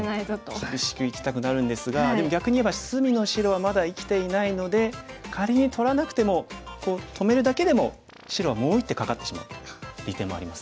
厳しくいきたくなるんですがでも逆にいえば隅の白はまだ生きていないので仮に取らなくても止めるだけでも白はもう１手かかってしまう利点もあります。